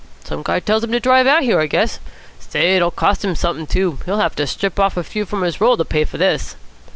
"Some guy tells him to drive him out here, I guess. Say, it'll cost him something, too. He'll have to strip off a few from his roll to pay for this."